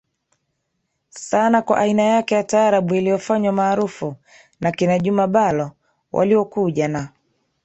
sana kwa aina yake ya Taarab iliyofanywa maarufu na akina Juma Bhalo waliokuja na